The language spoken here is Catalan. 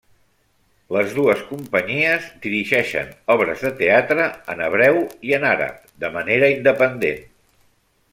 Les dues companyies dirigeixen obres de teatre en hebreu i en àrab de manera independent.